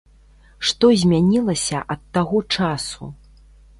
Што змянілася ад таго часу?